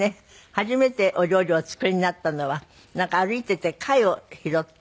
初めてお料理をお作りになったのはなんか歩いていて貝を拾って？